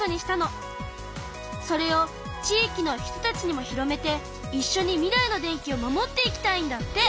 それを地域の人たちにも広めていっしょに未来の電気を守っていきたいんだって！